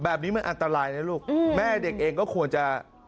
แบบนี้มันอันตรายนะลูกแม่เด็กเองก็ควรจะ